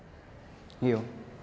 いいよ。